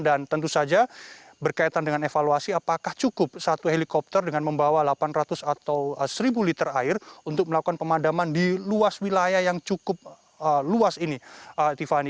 dan tentu saja berkaitan dengan evaluasi apakah cukup satu helikopter dengan membawa delapan ratus atau seribu liter air untuk melakukan pemadaman di luas wilayah yang cukup luas ini